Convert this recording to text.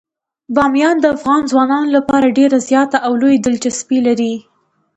بامیان د افغان ځوانانو لپاره ډیره زیاته او لویه دلچسپي لري.